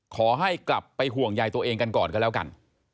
ขอให้กลับไปห่วงใยตัวเองกันก่อนก็แล้วกัน